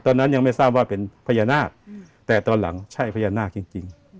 ตอนนั้นยังไม่ทราบว่าเป็นพญานาคแต่ตอนหลังใช่พญานาคจริง